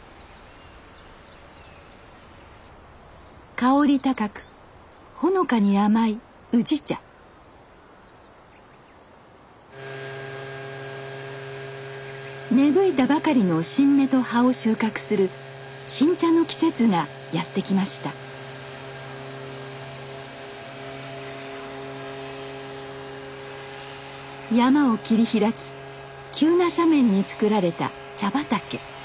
香り高くほのかに甘い宇治茶芽吹いたばかりの新芽と葉を収穫する新茶の季節がやって来ました山を切り開き急な斜面に作られた茶畑。